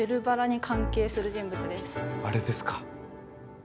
あれですか？